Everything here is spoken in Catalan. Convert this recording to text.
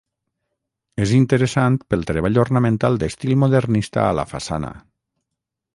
És interessant pel treball ornamental d'estil modernista a la façana.